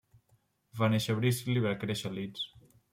Va néixer a Bristol i va créixer a Leeds.